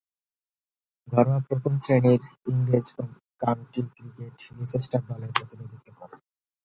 ঘরোয়া প্রথম-শ্রেণীর ইংরেজ কাউন্টি ক্রিকেটে লিচেস্টারশায়ার দলের প্রতিনিধিত্ব করেন।